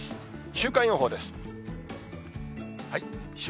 週間予報です。